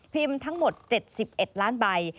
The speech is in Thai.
พิมพ์ทั้งหมด๗๑ล้านใบ